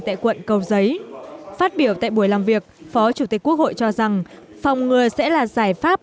tại quận cầu giấy phát biểu tại buổi làm việc phó chủ tịch quốc hội cho rằng phòng ngừa sẽ là giải pháp